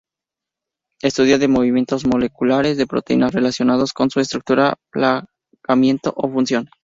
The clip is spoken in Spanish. Estudia de movimientos moleculares de proteínas relacionados con su estructura, plegamiento o función.